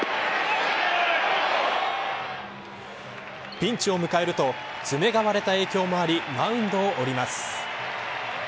ピンチを迎えると爪が割れた影響もありマウンドを降ります。